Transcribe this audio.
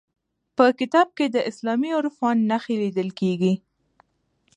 په کتاب کې د اسلامي عرفان نښې لیدل کیږي.